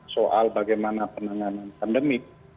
soal bagaimana penanganan pandemi